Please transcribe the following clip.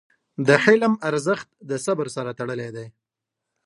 د حلم ارزښت د صبر سره تړلی دی.